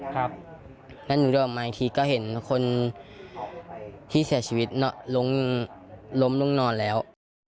ครับแล้วหนูเดินออกมาอีกทีก็เห็นคนที่เสียชีวิตล้มลงนอนแล้ว